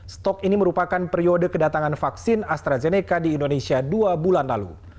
stok ini merupakan periode kedatangan vaksin astrazeneca di indonesia dua bulan lalu